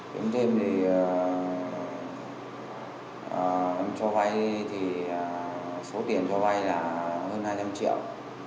kiếm thêm thì em cho vay thì số tiền cho vay là hơn hai trăm linh triệu